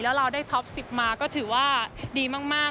แล้วเราได้ท็อป๑๐มาก็ถือว่าดีมาก